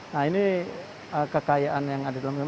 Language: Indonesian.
nah ini kekayaan yang ada di dalamnya